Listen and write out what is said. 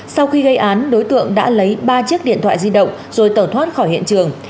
sau khi gây án đối tượng đã lấy ba chiếc điện thoại di động rồi tẩu thoát khỏi hiện trường